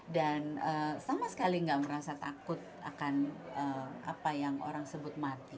dan sama sekali gak merasa takut akan apa yang orang sebut mati